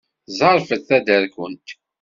Ẓerfed taderkunt!